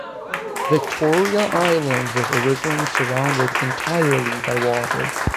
Victoria Island was originally surrounded entirely by water.